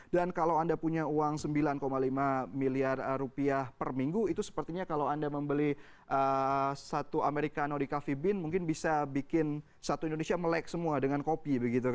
dan kalau anda punya uang sembilan lima miliar rupiah per minggu itu sepertinya kalau anda membeli satu americano di cafe bean mungkin bisa bikin satu indonesia melek semua dengan kopi